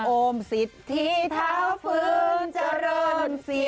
โอมสิทธิเท้าฟื้นเจริญศรี